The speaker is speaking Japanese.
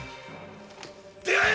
出会え！